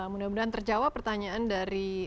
mudah mudahan terjawab pertanyaan dari